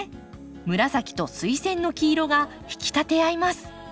紫とスイセンの黄色が引き立て合います。